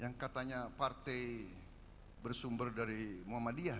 yang katanya partai bersumber dari muhammadiyah